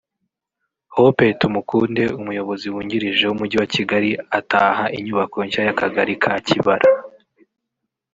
Hope Tumukunde umuyobozi wungirije w’umujyi wa Kigali ataha inyubako nshya y’akagali ka Kibara